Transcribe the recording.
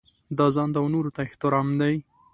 دا ځانته او نورو ته احترام دی.